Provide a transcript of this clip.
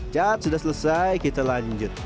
cat sudah selesai kita lanjut